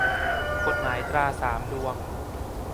กฎหมายตราสามดวง